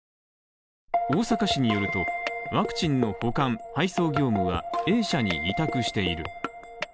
大阪市によると、ワクチンの保管、配送業務はＡ社に委託している。